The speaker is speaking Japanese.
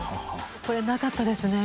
これなかったですね